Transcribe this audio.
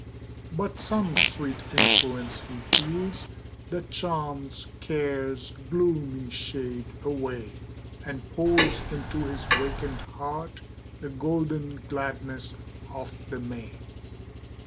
But some sweet influence he feels, That charms care's gloomy shade away, And pours into his wakened heart The golden gladness of the May.